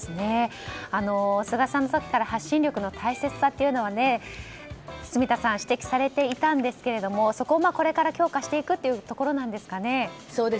菅さんの時から発信力の大切さというのは住田さん指摘されていたんですがそこをこれから強化していくというところなんですかね。